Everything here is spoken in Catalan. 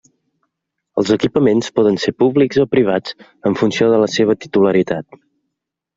Els equipaments poden ser públics o privats en funció de la seva titularitat.